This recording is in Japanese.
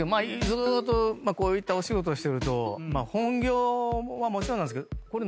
ずーっとこういったお仕事してると本業はもちろんなんですけどこれ何だろうな？